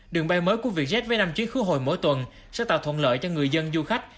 đường bay mới của vietjet với năm chuyến khứa hồi mỗi tuần sẽ tạo thuận lợi cho người dân du khách